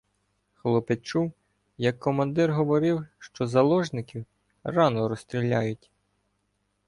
Хлопець чув, як командир говорив, що заложників рано розстріляють.